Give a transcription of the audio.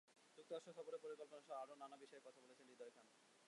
যুক্তরাষ্ট্র সফরের পরিকল্পনাসহ আরও নানা বিষয় নিয়ে কথা বলেছেন হৃদয় খান।